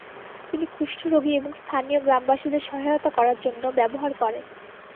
তিনি কুষ্ঠরোগী এবং স্থানীয় গ্রামবাসীদের সহায়তা করার জন্য ব্যবহার করেন।